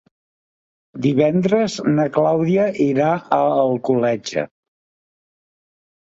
Divendres na Clàudia irà a Alcoletge.